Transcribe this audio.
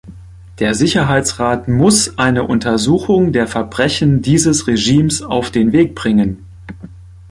Der Sicherheitsrat muss eine Untersuchung der Verbrechen dieses Regimes auf den Weg bringen.